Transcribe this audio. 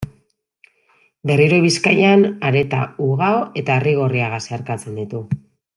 Berriro Bizkaian, Areta, Ugao eta Arrigorriaga zeharkatzen ditu.